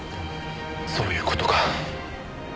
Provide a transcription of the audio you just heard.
そういう事か。